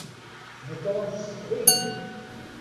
Theddṛemt s teqbaylit.